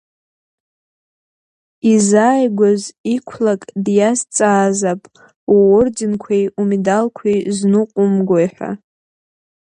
Изааигәаз иқәлак диазҵаазаап, ууорденқәеи умедалқәеи зныҟәумгои ҳәа.